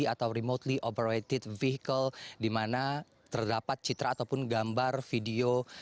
atau remotely operated vehicle di mana terdapat citra ataupun gambar video